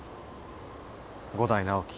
伍代直樹。